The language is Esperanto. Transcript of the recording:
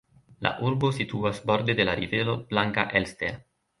La urbo situas borde de la rivero Blanka Elster.